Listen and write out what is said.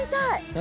何？